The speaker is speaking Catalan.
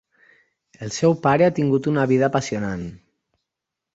El seu pare ha tingut una vida apassionant.